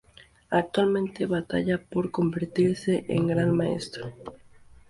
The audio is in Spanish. Actualmente batalla por convertirse en Gran Maestro.